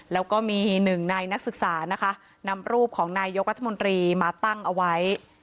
แล้วก็มีหนึ่งในนักศึกษานะคะนำรูปของนายยกรัฐมนตรีมาตั้งเอาไว้